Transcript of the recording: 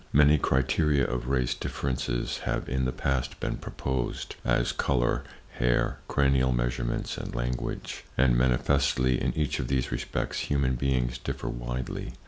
Many criteria of race differences have in the past been proposed, as color, hair, cranial measurements and language. And manifestly, in each of these respects, human beings differ widely.